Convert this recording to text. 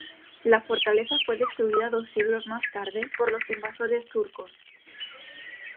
La fortaleza fue destruida dos siglos más tarde por los invasores turcos.